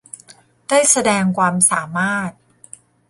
ได้แสดงความสามารถ